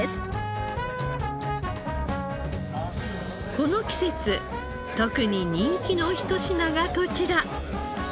この季節特に人気の一品がこちら。